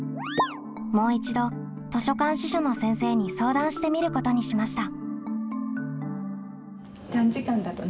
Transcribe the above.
もう一度図書館司書の先生に相談してみることにしました。